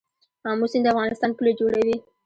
امو سیند د افغانستان پوله جوړوي.